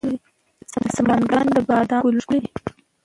د سمنګان د بادامو ګلونه ښکلي دي.